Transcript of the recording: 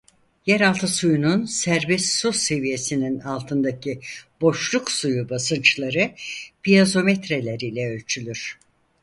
Yeraltı suyunun serbest su seviyesinin altındaki boşluk suyu basınçları piezometreler ile ölçülür.